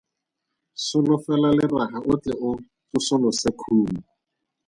Solofela leraga o tle o tsosolose khumo.